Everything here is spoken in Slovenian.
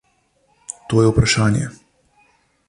To je vprašanje.